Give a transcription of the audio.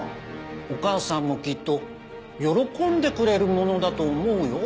お母さんもきっと喜んでくれるものだと思うよ。